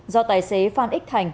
do tài xế phan ích thành